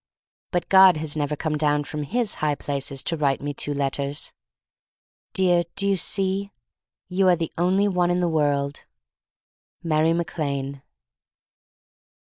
"But God has never come down from his high places to write me two letters. "Dear — do you see? — you are the only one in the world. "Mary Mac Lane."